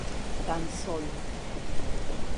Tan solo.